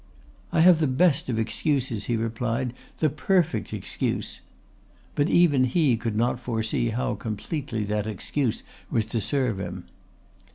"I have the best of excuses," he replied, "the perfect excuse." But even he could not foresee how completely that excuse was to serve him.